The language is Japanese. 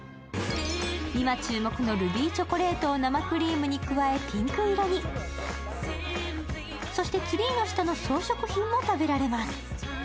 今注目のルビーチョコレートを生クリームに加えそしてツリーの下の装飾品も食べられます。